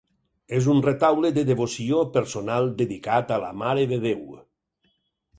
És un retaule de devoció personal dedicat a la Mare de Déu.